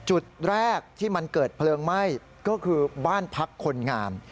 จุดแรกที่มันเกิดเพลิงไหม้ก็คือบ้านพักคนงาน